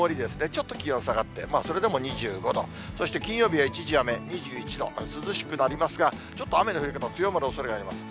ちょっと気温下がって、それでも２５度、そして金曜日は一時雨、２１度、涼しくなりますが、ちょっと雨の降り方、強まるおそれあります。